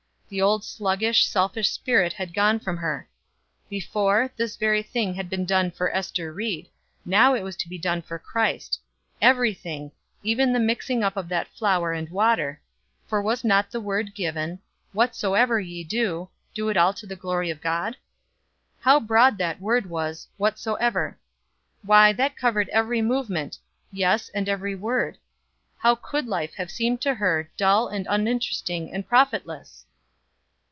The old sluggish, selfish spirit had gone from her. Before this every thing had been done for Ester Ried, now it was to be done for Christ every thing, even the mixing up of that flour and water; for was not the word given: "Whatsoever ye do, do all to the glory of God?" How broad that word was, "whatsoever." Why that covered every movement yes, and every word. How could life have seemed to her dull and uninteresting and profitless?